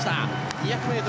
２００ｍ